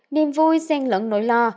niềm vui xen lẫn nỗi lo